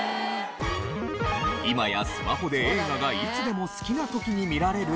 今やスマホで映画がいつでも好きな時に見られる時代。